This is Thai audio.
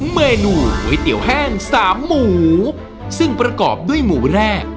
เมนูก๋วยเตี๋ยวแห้งสามหมูซึ่งประกอบด้วยหมูแรก